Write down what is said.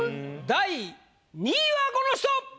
第２位はこの人！